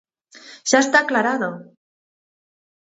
Xa está aclarado.